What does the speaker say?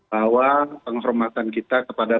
bahwa penghormatan kita kepada